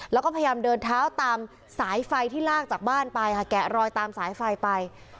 แล้วก็พยายามเดินเท้าตามสายไฟที่ลากจากบ้านไปค่ะแกะรอยตามสายไฟไป